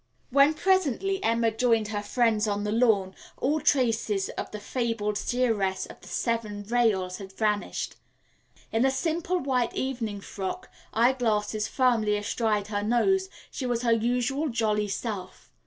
When presently Emma joined her friends on the lawn, all traces of the fabled Seeress of the Seven Veils had vanished. In a simple white evening frock, eye glasses firmly astride her nose, she was her usual jolly self.